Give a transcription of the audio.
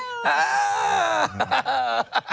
แอ๊ะเป้า